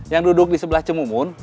yang duduk di sebelah cemumun